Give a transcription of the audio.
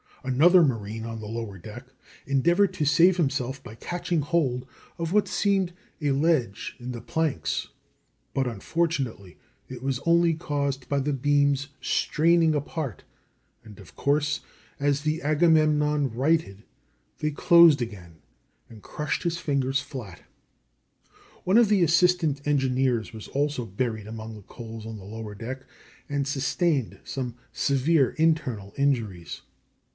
Another marine on the lower deck endeavored to save himself by catching hold of what seemed a ledge in the planks, but, unfortunately, it was only caused by the beams straining apart, and, of course, as the Agamemnon righted they closed again, and crushed his fingers flat. One of the assistant engineers was also buried among the coals on the lower deck, and sustained some severe internal injuries.